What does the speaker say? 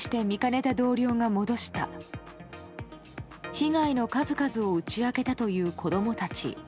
被害の数々を打ち明けたという子供たち。